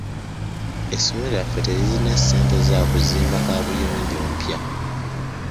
Essomero lyaffe teririna ssente za kuzimba kaabuyonjo mpya.